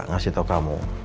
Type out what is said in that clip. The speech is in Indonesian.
ngasih tau kamu